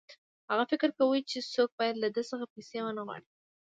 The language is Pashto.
هغه فکر کاوه چې څوک باید له ده څخه پیسې ونه غواړي